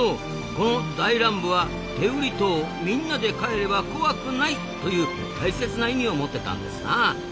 この大乱舞は「天売島みんなで帰れば怖くない！」という大切な意味を持ってたんですな。